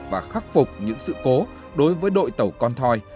và khắc phục những sự cố đối với đội tàu con thoi